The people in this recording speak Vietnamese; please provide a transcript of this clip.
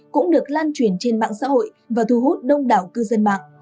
cũng được lan truyền trên mạng xã hội và thu hút đông đảo cư dân mạng